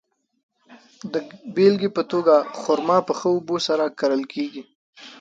د بېلګې په توګه، خرما په ښه اوبو سره کرل کیږي.